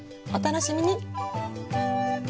お楽しみに。